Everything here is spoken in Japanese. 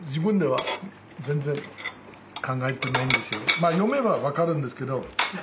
まあ読めば分かるんですけど。